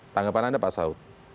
tanggapan anda pak saud